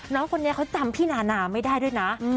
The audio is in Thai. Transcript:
น้องคนนี้เขาจำพี่นานาไม่ได้ด้วยนะ